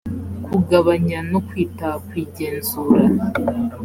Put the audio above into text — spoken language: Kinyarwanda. kugabanya no kwita ku igenzura